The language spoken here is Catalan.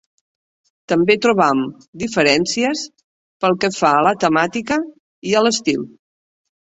També trobam diferències pel que fa a la temàtica i a l'estil.